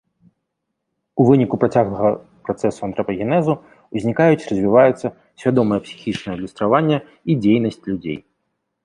У выніку працяглага працэсу антрапагенезу узнікаюць і развіваюцца свядомае псіхічнае адлюстраванне і дзейнасць людзей.